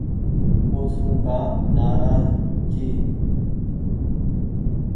اوسون ڪآ نآراز جي ۔